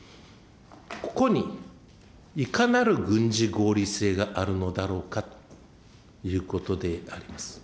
ここにいかなる軍事合理性があるのだろうかということであります。